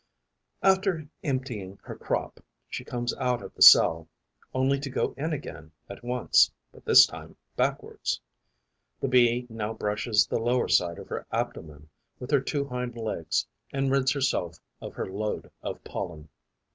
After emptying her crop, she comes out of the cell, only to go in again at once, but this time backwards. The Bee now brushes the lower side of her abdomen with her two hind legs and rids herself of her load of pollen.